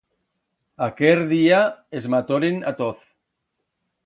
Aquer día es matoren a toz.